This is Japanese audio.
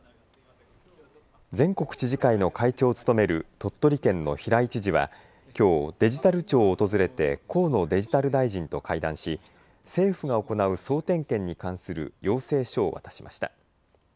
全国知事会の会長を務める鳥取県の平井知事はきょうデジタル庁を訪れて河野デジタル大臣と会談し政府が行う総点検に関する要請書を渡しました。